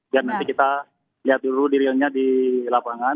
biar nanti kita lihat dulu detailnya di lapangan